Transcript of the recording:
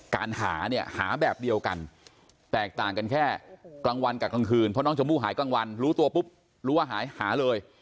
การหาเนี่ยหาแบบเดียวกันแตกต่างกันแค่กลางวันกับกลางคืนเพราะน้องชมพู่หายกลางวันรู้ตัวปุ๊บรู้ว่าหายหาเลย